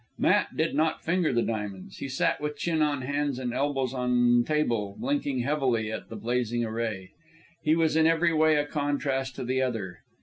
Matt did not finger the diamonds. He sat with chin on hands and elbows on table, blinking heavily at the blazing array. He was in every way a contrast to the other.